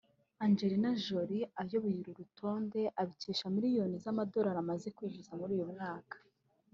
Angelina Jolie ayoboye uru rutonde abikesha miliyoni z’amadolari amaze kwinjiza muri uyu mwaka